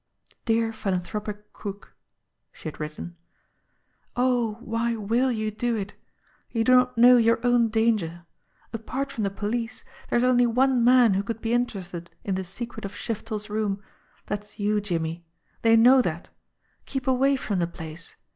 "Dear Philanthropic Crook," she had written. "Oh, why will you do it ! You do not know your own danger. Apart from the police, there is only one man who could be interested in the secret of Shif ters room. That's you, Jimmie. They know that. Keep away from the place.